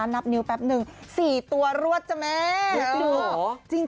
นับนิ้วแป๊บนึง๔ตัวรวดจ๊ะแม่รวดจริงหรอ